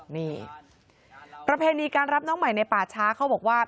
นี่ประเพณีการรับน้องใหม่ในป่าช้าเขาบอกว่า